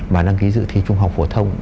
mà đăng ký dự thi trung học phổ thông